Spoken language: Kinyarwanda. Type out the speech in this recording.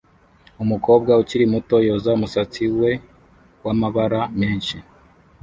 Umukobwa ukiri muto yoza umusatsi we wamabara menshi